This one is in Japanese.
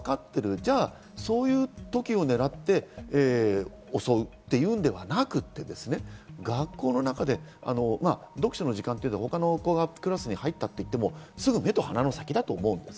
じゃあそういう時を狙って襲うというのではなくて学校の中で読書の時間というのがあって他のクラスに行ったといっても目と鼻の先だと思うんです。